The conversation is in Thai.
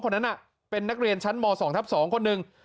คนนั้นเป็นนักเรียนชั้นม๒ทับ๒คนหนึ่ง